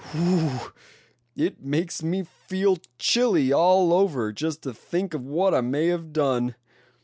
Whew! it makes me feel chilly all over just to think of what I may have done.